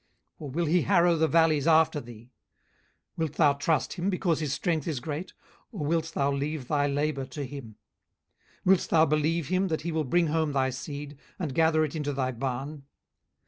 or will he harrow the valleys after thee? 18:039:011 Wilt thou trust him, because his strength is great? or wilt thou leave thy labour to him? 18:039:012 Wilt thou believe him, that he will bring home thy seed, and gather it into thy barn?